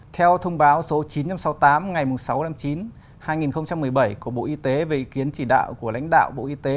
theo thông báo số chín trăm sáu mươi tám ngày sáu tháng chín hai nghìn một mươi bảy của bộ y tế về ý kiến chỉ đạo của lãnh đạo bộ y tế